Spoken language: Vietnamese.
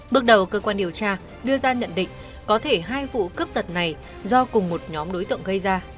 bước đầu cơ quan điều tra đưa ra nhận định có thể hai vụ cướp giật này do cùng một nhóm đối tượng gây ra